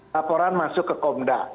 laporan masuk ke komda